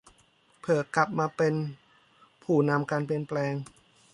เพื่อกลับมาเป็นผู้นำการเปลี่ยนแปลง